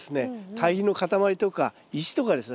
堆肥の塊とか石とかですね